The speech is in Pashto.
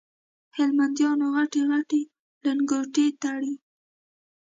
هلمنديان غټي غټي لنګوټې تړي